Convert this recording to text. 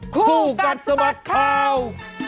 คู่กัดสมัครข้าว